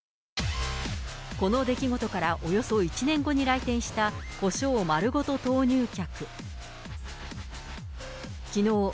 この出来事からおよそ１年後に来店したコショウ丸ごと投入客。